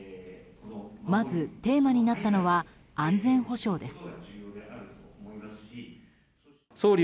まずテーマになったのは安全保障です。